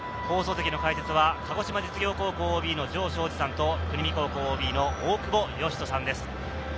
放送席の解説は鹿児島実業高校ＯＢの城彰二さんと、国見高校ＯＢの大久保嘉人さんです。